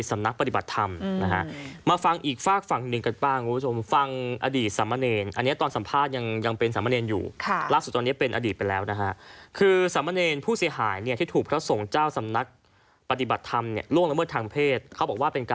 ไม่ได้มาเสนอหน้าน่าสื่ออย่างนี้แน่นอน